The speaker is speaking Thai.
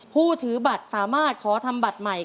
ผู้ถือบัตรสามารถขอทำบัตรใหม่